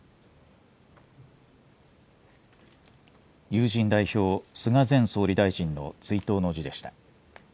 友人代表、菅前総理大臣の追悼の辞でした。